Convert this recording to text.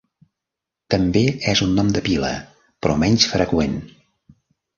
També és un nom de pila, però menys freqüent.